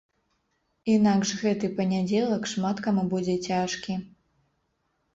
Інакш гэты панядзелак шмат каму будзе цяжкі.